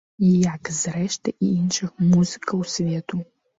Як зрэшты і іншых музыкаў свету.